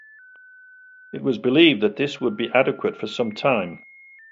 It was believed that this would be adequate for some time.